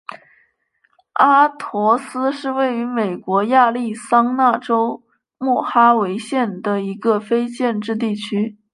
阿陀斯是位于美国亚利桑那州莫哈维县的一个非建制地区。